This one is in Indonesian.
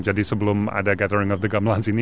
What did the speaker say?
jadi sebelum ada gathering of the gamelans ini